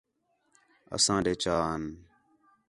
اساں ݙے چا آن